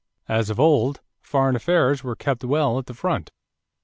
As of old, foreign affairs were kept well at the front.